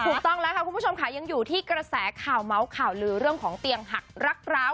ถูกต้องแล้วค่ะคุณผู้ชมค่ะยังอยู่ที่กระแสข่าวเมาส์ข่าวลือเรื่องของเตียงหักรักร้าว